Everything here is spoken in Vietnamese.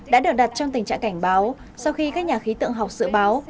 đã được đặt trong tình trạng cảnh báo sau khi các nhà khí tượng học dự báo